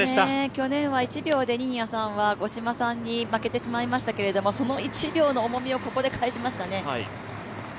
去年は１秒で新谷さんは五島さんに負けてしまいましたけど、その１秒の重みをここで返しましたね。